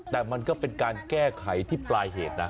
แต่มันก็เป็นการแก้ไขที่ปลายเหตุนะ